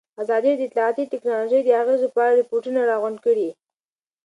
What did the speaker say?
ازادي راډیو د اطلاعاتی تکنالوژي د اغېزو په اړه ریپوټونه راغونډ کړي.